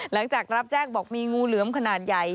หลังจากรับแจ้งบอกมีงูเหลือมขนาดใหญ่